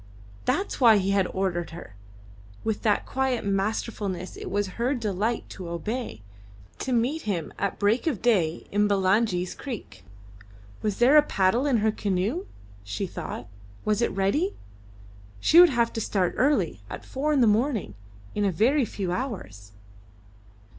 That's why he had ordered her, with that quiet masterfulness it was her delight to obey, to meet him at break of day in Bulangi's creek. Was there a paddle in her canoe? she thought. Was it ready? She would have to start early at four in the morning, in a very few hours.